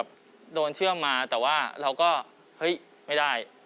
เป็นอย่างไร